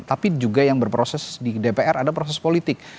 tapi juga yang berproses di dpr ada proses politik